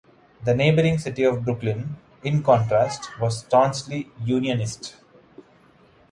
The neighboring City of Brooklyn, in contrast, was staunchly Unionist.